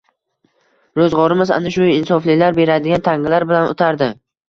Roʻzgʻorimiz ana shu insoflilar beradigan tangalar bilan oʻtardi